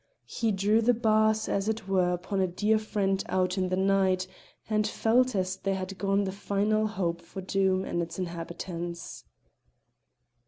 He drew the bars as it were upon a dear friend out in the night, and felt as there had gone the final hope for Doom and its inhabitants.